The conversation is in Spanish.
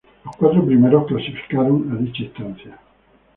Los cuatro primeros clasificaron a dicha instancia.